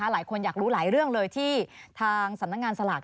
หลายคนอยากรู้หลายเรื่องเลยที่ทางสำนักงานสลาก